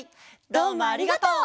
どうもありがとう！